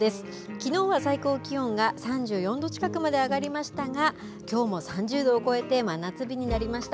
きのうは最高気温が３４度近くまで上がりましたが、きょうも３０度を超えて真夏日になりました。